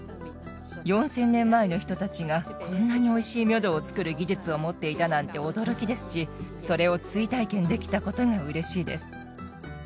４０００年前の人たちがこんなにおいしいミョドを作る技術を持っていたなんて驚きですしそれを追体験できたことがうれしいです。